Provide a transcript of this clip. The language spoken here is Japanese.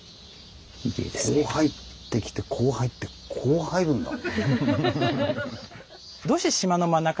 こう入ってきてこう入ってこう入るんだ。